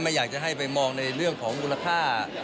อยากจะให้ไปมองในเรื่องของมูลค่า